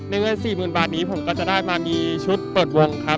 ในเมื่อสี่หมื่นบาทนี้ผมก็จะได้มามีชุดเปิดวงครับ